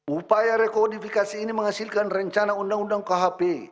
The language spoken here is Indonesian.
upaya rekodifikasi ini menghasilkan rencana undang undang khp